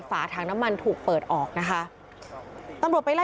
ฝาทางน้ำมันถูกเปิดออกนะคะ